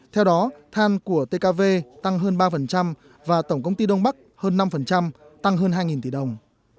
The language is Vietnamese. theo đó than của tkv tăng hơn ba và tổng công ty đông bắc hơn năm tăng hơn hai tỷ đồng